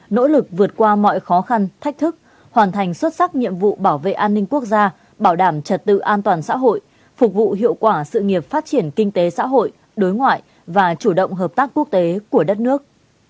nỗ lực vượt qua mọi khó khăn thách thức hoàn thành xuất sắc nhiệm vụ bảo vệ an ninh quốc gia bảo đảm trật tự an toàn xã hội phục vụ hiệu quả sự nghiệp phát triển kinh tế xã hội đối ngoại và chủ động hợp tác quốc tế của đất nước